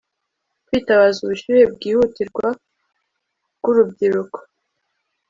Kwitabaza ubushyuhe bwihutirwa bwurubyiruko